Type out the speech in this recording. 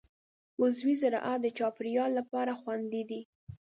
عضوي زراعت د چاپېریال لپاره خوندي دی.